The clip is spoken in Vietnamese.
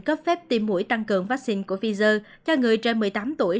cấp phép tiêm mũi tăng cường vaccine của pfizer cho người trên một mươi tám tuổi